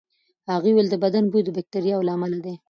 هغه وویل د بدن بوی د باکتریاوو له امله دی.